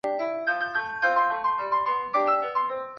展枝沙参为桔梗科沙参属的植物。